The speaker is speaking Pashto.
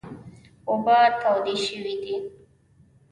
اوبه تودې شوي دي .